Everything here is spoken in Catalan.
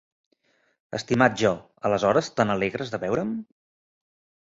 Estimat Jo, aleshores te n'alegres de veure'm?